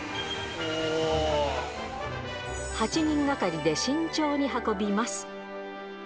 ８人がかりで慎重に運びます。